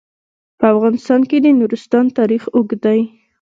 په افغانستان کې د نورستان تاریخ اوږد دی.